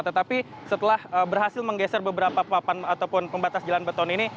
tetapi setelah berhasil menggeser beberapa papan ataupun pembatas jalan beton ini